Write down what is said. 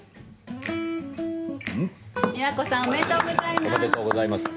美和子さんおめでとうございます。